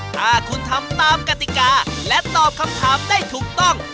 ถ้าคุณทำตามกติกาและตอบคำถามได้ถูกต้อง